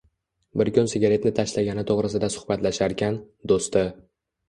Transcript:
Bir kun sigaretni tashlagani to'g'risida suhbatlasharkan, do'sti: